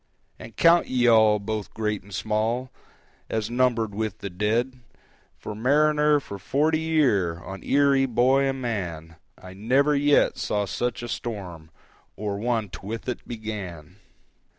"And count ye all, both great and small, As numbered with the dead: For mariner for forty year, On Erie, boy and man, I never yet saw such a storm, Or one't with it began!"